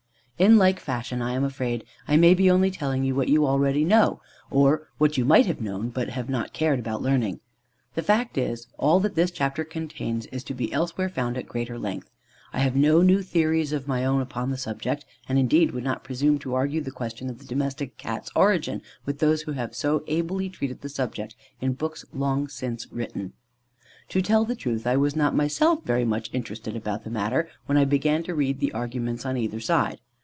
In like fashion, I am afraid I may be only telling you what you know already, or what you might have known, but have not cared about learning. The fact is, all that this chapter contains is to be elsewhere found at greater length. I have no new theories of my own upon the subject, and, indeed, would not presume to argue the question of the domestic Cat's origin with those who have so ably treated the subject in books long since written. To tell the truth, I was not myself very much interested about the matter when I began to read the arguments on either side.